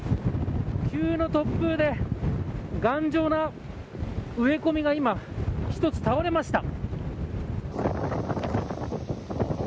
急な突風で頑丈な植え込みが今、１つ倒れました。